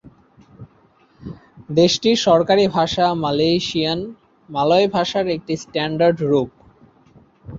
দেশটির সরকারি ভাষা মালয়েশিয়ান, মালয় ভাষার একটি স্ট্যান্ডার্ড রূপ।